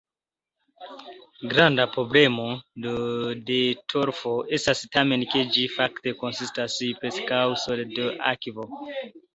Granda problemo de torfo estas tamen, ke ĝi fakte konsistas preskaŭ sole de akvo.